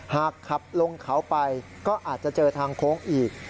หากขับลงเขาไปก็อาจจะเจอทางโค้งอีก